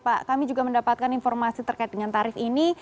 pak kami juga mendapatkan informasi terkait dengan tarif ini